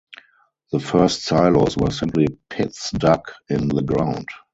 The first silos were simply pits dug in the ground.